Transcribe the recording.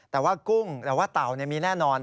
แต่ว่ากุ้งแต่ว่าเต่านี่มีแน่นอน